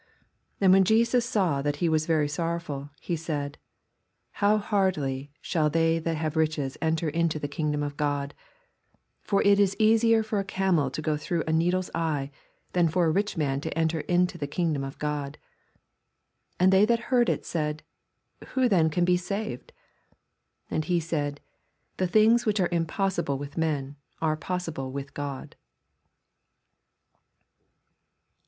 24 And when Jesus saw that he was very sorrowful, he said. How hardly shall they that have ricnes enter into the kingdom of God ! 25 For it is easier for a camel to go through a needle's eye^than for a rich man to enter into the kmgdom of God. 26 And they that heard it said, Who then can be saved ? 27 And he said. The things which are inipossible with men are possible with God.